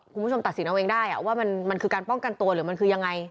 ตัดสินเอาเองได้ว่ามันคือการป้องกันตัวหรือมันคือยังไง